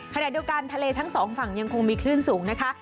ขณะเดียวกันทะเลทั้งสองฝั่งยังคงมีคลื่นสูงนะคะ